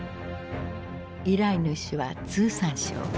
依頼主は通産省。